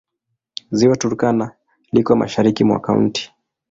Ziwa Turkana liko mashariki mwa kaunti.